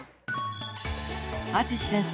［淳先生